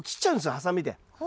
ハサミで。